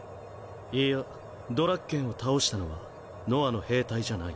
いやドラッケンを倒したのはノアの兵隊じゃない。